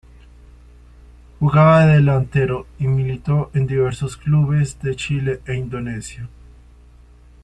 Jugaba de delantero y militó en diversos clubes de Chile e Indonesia.